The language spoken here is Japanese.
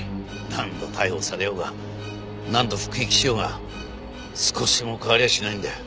何度逮捕されようが何度服役しようが少しも変わりゃしないんだよ。